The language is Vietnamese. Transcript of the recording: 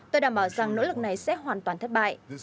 tôi đảm bảo rằng nỗ lực này sẽ hoàn toàn thất bại